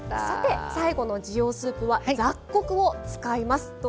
さて最後の滋養スープは雑穀を使います。